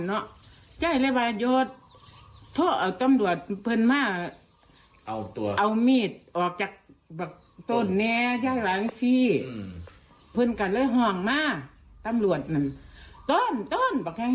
มันก็เลยเต็มใส่มันเปลี่ยงชั้นนะ